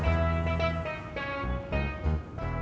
marah sama gue